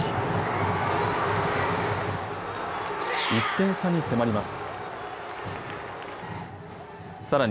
１点差に迫ります。